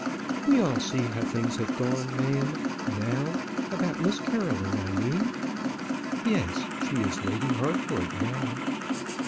"We all see how things have gone, ma'am, now; about Miss Caroline, I mean." "Yes, she is Lady Harcourt now."